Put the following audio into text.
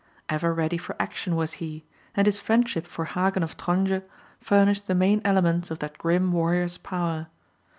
Ever ready for action was he, and his friendship for Hagen of Tronje furnished the main elements of that grim warrior's power.